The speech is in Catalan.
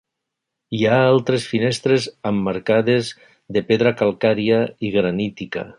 Hi ha altres finestres emmarcades de pedra calcària i granítica.